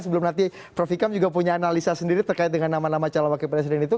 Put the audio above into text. sebelum nanti prof ikam juga punya analisa sendiri terkait dengan nama nama calon wakil presiden itu